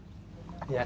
kita sudah sepakat